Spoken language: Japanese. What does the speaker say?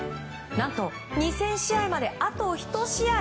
何と２０００試合まであと１試合。